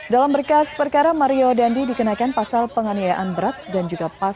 dalam berkas perkara mario dandi dikenakan pasal penganiayaan berat dan juga pasal